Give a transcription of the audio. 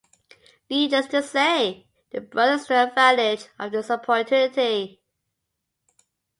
Needless to say, the brothers took advantage of this opportunity.